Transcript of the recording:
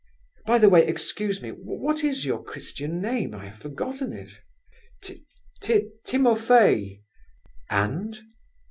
By the way—excuse me—what is your Christian name? I have forgotten it." "Ti Ti Timofey." "And?"